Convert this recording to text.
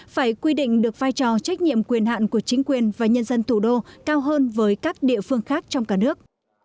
phải quy định được vai trò trách nhiệm quyền hạn của chính quyền và nhân dân thủ đô cao hơn với các địa phương khác trong cả nước